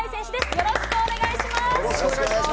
よろしくお願いします。